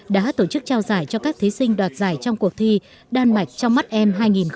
đã tổ chức trao giải cho các thí sinh đoạt giải trong cuộc thi đan mạch trong mắt em hai nghìn hai mươi